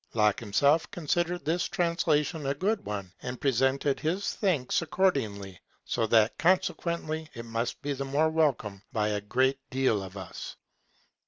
Locke himself considered this translation a good one and presented his thanks accordingly, so that con sequently it must be the more welcome by a great deal to us.